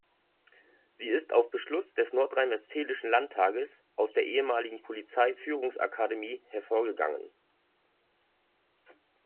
Sie ist auf Beschluss des nordrhein-westfälischen Landtages aus der ehemaligen Polizei-Führungsakademie hervorgegangen.